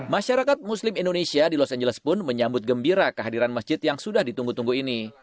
masyarakat muslim indonesia di los angeles pun menyambut gembira kehadiran masjid yang sudah ditunggu tunggu ini